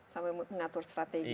sambil mengatur strategi